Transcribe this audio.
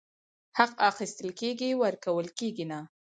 حق اخيستل کيږي، ورکول کيږي نه !!